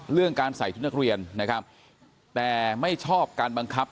เรื่องการใส่ชุดนักเรียนนะครับแต่ไม่ชอบการบังคับ